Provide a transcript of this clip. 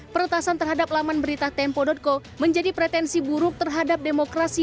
peretasan terhadap laman berita tempo co menjadi pretensi buruk terhadap demokrasi